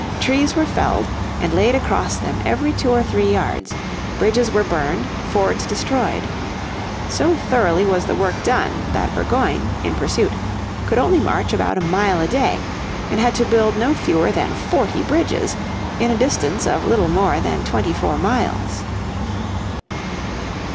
Trees were felled and laid across them every two or three yards, bridges were burned, fords destroyed. So thoroughly was the work done that Burgoyne, in pursuit, could only march about a mile a day, and had to build no fewer than forty bridges in a distance of little more than twenty four miles.